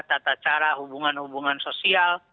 tata cara hubungan hubungan sosial